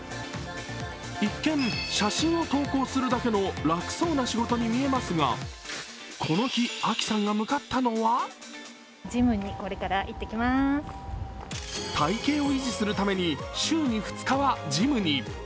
一見、写真を投稿するだけの楽そうな仕事に見えますが、この日、Ａｋｉさんが向かったのは体型を維持するために週に２日はジムに。